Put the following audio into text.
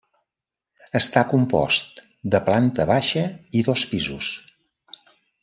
Està compost de planta baixa i dos pisos.